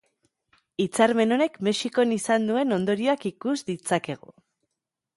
Hitzarmen honek Mexikon izan dituen ondorioak ikus ditzakegu.